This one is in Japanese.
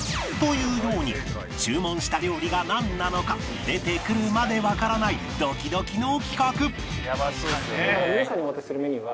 いうように注文した料理がなんなのか出てくるまでわからないドキドキの企画